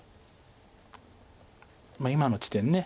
今の地点